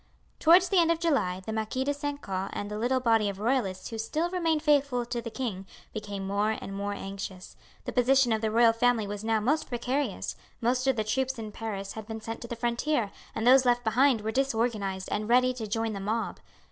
Towards the end of July the Marquis de St. Caux and the little body of royalists who still remained faithful to the king became more and more anxious; the position of the royal family was now most precarious; most of the troops in Paris had been sent to the frontier, and those left behind were disorganized and ready to join the mob.